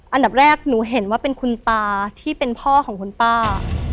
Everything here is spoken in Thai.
อันดับแรกหนูเห็นว่าเป็นคุณตาที่เป็นพ่อของคุณป้า